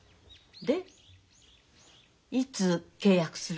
でいつ契約するの？